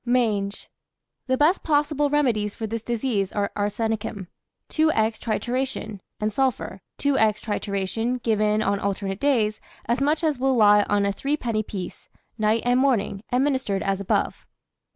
MANGE. The best possible remedies for this disease are arsenicum, 2^{×} trituration, and sulphur, 2^{×} trituration, given on alternate days, as much as will lie on a threepenny piece, night and morning, administered as above.